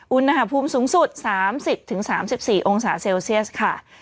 อุณหภูมิสูงสุด๓๐๓๔องศาเซลเซียสค่ะ